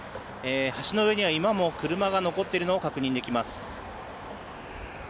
橋の上には今も車が残っているのを確認できます。